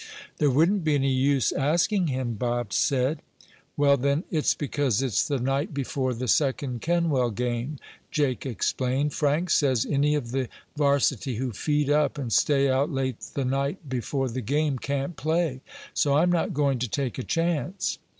"There wouldn't be any use asking him," Bob said. "Well then, it's because it's the night before the second Kenwell game," Jake explained. "Frank says any of the varsity who feed up and stay out late the night before the game can't play. So I'm not going to take a chance."